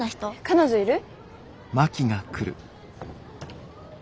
彼女いる？